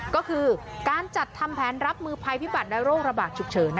ก็คือการจัดทำแผนรับมือภัยพิบัตรและโรคระบาดฉุกเฉิน